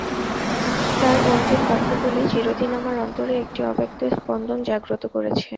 তাঁর অন্তিম বাক্যগুলি চিরদিন আমার অন্তরে একটি অব্যক্ত স্পন্দন জাগ্রত করেছে।